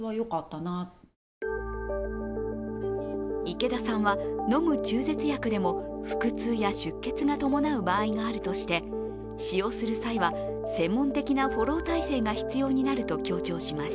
池田さんは飲む中絶薬でも腹痛や出血が伴う場合があるとして使用する際は専門的なフォロー体制が必要になると強調します。